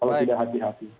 kalau tidak hati hati